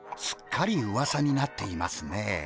すっかりうわさになっていますね。